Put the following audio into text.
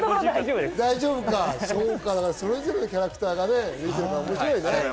それぞれのキャラクターが面白いね。